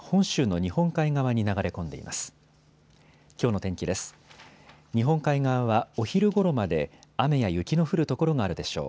日本海側はお昼ごろまで雨や雪の降る所があるでしょう。